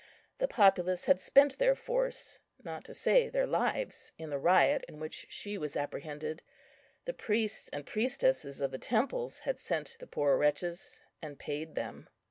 The populace had spent their force, not to say their lives, in the riot in which she was apprehended. The priests and priestesses of the temples had sent the poor wretches and paid them.